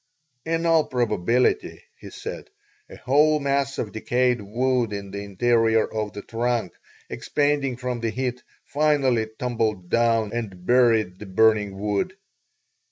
"In all probability," he said, "a whole mass of decayed wood in the interior of the trunk, expanding from the heat, finally tumbled down and buried the burning wood.